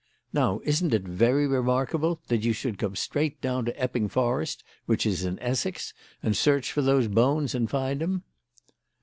Now isn't it very remarkable that you should come straight down to Epping Forest, which is in Essex, and search for those bones and find 'em?"